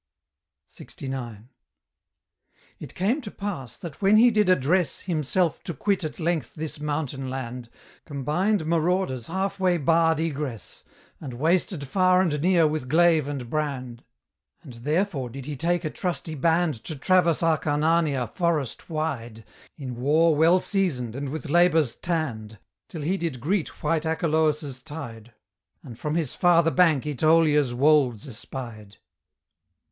LXIX. It came to pass, that when he did address Himself to quit at length this mountain land, Combined marauders half way barred egress, And wasted far and near with glaive and brand; And therefore did he take a trusty band To traverse Acarnania forest wide, In war well seasoned, and with labours tanned, Till he did greet white Achelous' tide, And from his farther bank AEtolia's wolds espied.